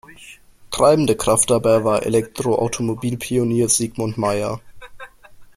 Treibende Kraft dabei war Elektroautomobil-Pionier Sigmund Meyer.